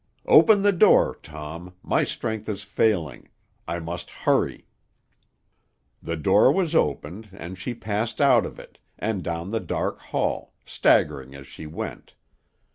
Open the door, Tom; my strength is failing. I must hurry.' "The door was opened, and she passed out of it, and down the dark hall, staggering as she went.